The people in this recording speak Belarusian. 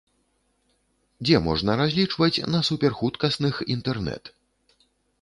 Дзе можна разлічваць на суперхуткасных інтэрнэт?